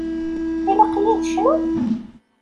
Ilaq-iyi ad cnuɣ?